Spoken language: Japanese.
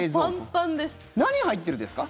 何入ってるですか？